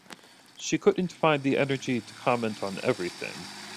She couldn’t find the energy to comment on everything.